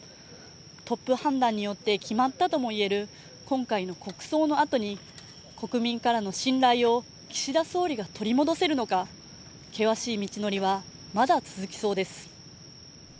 トップ判断によって決まったともいえる今回の国葬のあとに国民からの信頼を岸田総理が取り戻せるのか険しい道のりはまだ続きそうです。